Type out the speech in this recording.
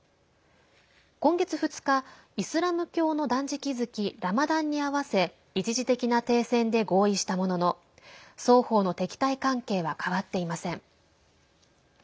今月２日、イスラム教の断食月ラマダンに合わせ一時的な停戦で合意したものの双方の敵対関係は変わっていません。